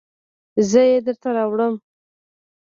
زه یې درته راوړم